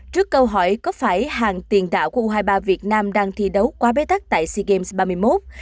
trước câu hỏi có phải hàng tiền đạo của u hai mươi ba việt nam đang thi đấu quá bế tắc tại sea games ba mươi một